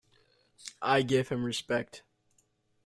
I give him respect.